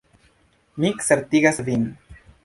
Mi certigas vin.